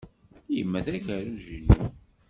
Yemma d agerruj-inu.